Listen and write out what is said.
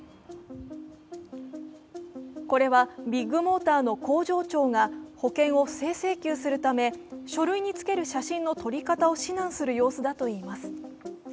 これは、ビッグモーターの工場長が保険を不正請求するため書類につける写真の撮り方を指南する様子だといいます。